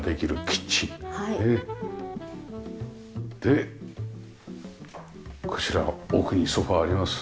でこちら奥にソファあります。